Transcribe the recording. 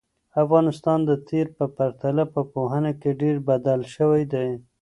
افغانستان د تېر په پرتله په پوهنه کې ډېر بدل شوی دی.